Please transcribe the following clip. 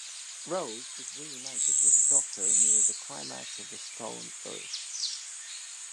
Rose is re-united with the Doctor near the climax of "The Stolen Earth".